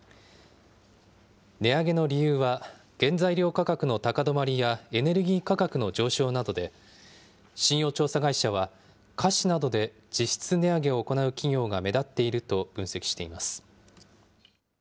値上げの理由は、原材料価格の高止まりやエネルギー価格の上昇などで、信用調査会社は、菓子などで実質値上げを行う企業が目立っていると分析しています。